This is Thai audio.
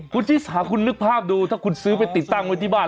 คุณชิสาคุณนึกภาพดูถ้าคุณซื้อไปติดตั้งไว้ที่บ้าน